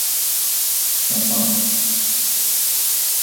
叫爸爸